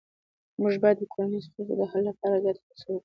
موږ باید د کورنۍ د ستونزو د حل لپاره ګډه هڅه وکړو